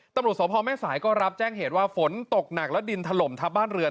ตำรวจสพแม่สายก็รับแจ้งเหตุว่าฝนตกหนักและดินถล่มทับบ้านเรือน